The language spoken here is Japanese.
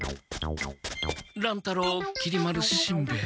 乱太郎きり丸しんべヱ。